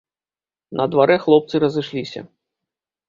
На дварэ хлопцы разышліся.